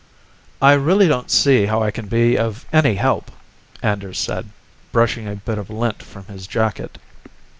"I really don't see how I can be of any help," Anders said, brushing a bit of lint from his jacket.